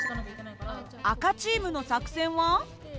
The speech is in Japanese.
赤チームの作戦は？